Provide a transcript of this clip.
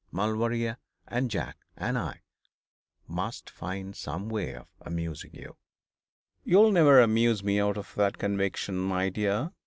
Maulevrier and Jack and I must find some way of amusing you.' 'You will never amuse me out of that conviction, my dear.